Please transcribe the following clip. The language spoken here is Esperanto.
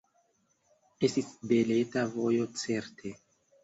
Estis beleta vojo, certe!